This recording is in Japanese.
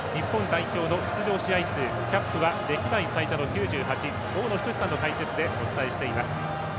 日本代表の出場試合数キャップは歴代最多の９８大野均さんの解説でお伝えしています。